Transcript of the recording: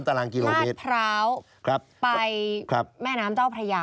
ตรงนี้ถ่าวลาดพร้าวไปแม่น้ำเต้าพระยาน